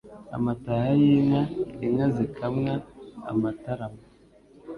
AMATAHA Y'INKA, INKA ZIKAMWA, AMATARAMA,